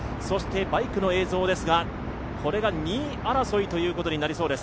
バイクの映像ですが、これが２位争いとなりそうです。